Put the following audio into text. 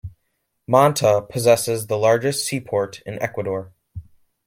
Manta possesses the largest seaport in Ecuador.